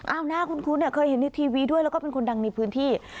หน้าคุ้นเคยเห็นในทีวีด้วยแล้วก็เป็นคนดังในพื้นที่